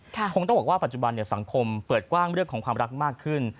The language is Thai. คงต้องบอกว่าปัจจุบันสังคมเปิดกว้างเรื่องของความรักมากขึ้น